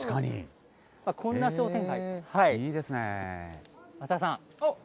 こんな商店街。